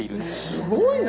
すごいね！